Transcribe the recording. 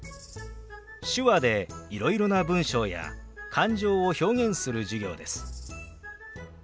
手話でいろいろな文章や感情を表現する授業です。